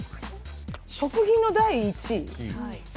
食品の第１位？